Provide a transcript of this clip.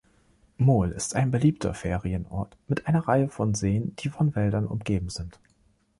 Mol ist ein beliebter Ferienort mit einer Reihe von Seen, die von Wäldern umgeben sind.